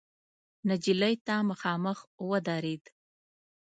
نجلۍ ته مخامخ ودرېد.